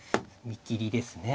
見切りですね。